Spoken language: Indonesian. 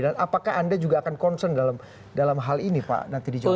dan apakah anda juga akan concern dalam hal ini pak nanti di jawa tengah